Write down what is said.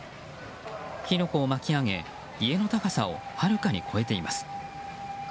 火の粉を巻き上げ、家の高さをはるかに超えています。